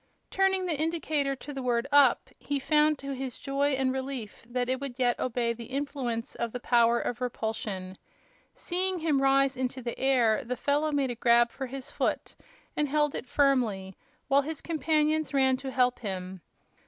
Turning the indicator to the word "up" he found, to his joy and relief, that it would yet obey the influence of the power of repulsion. Seeing him rise into the air the fellow made a grab for his foot and held it firmly, while his companions ran to help him.